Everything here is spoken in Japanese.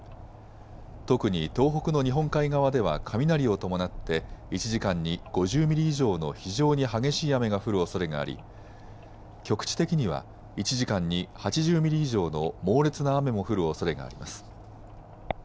特に東北の日本海側では雷を伴って１時間に５０ミリ以上の非常に激しい雨が降るおそれがあり局地的には１時間に８０ミリ以上の猛烈な雨も降るおそれがあります。